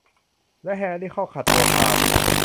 และแฮรี่เข้าขัดตัวคาน